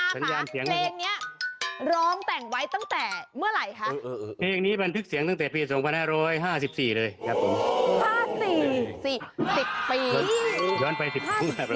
คุณอาค่ะเพลงนี้ร้องแต่งไว้ตั้งแต่เมื่อไรคะ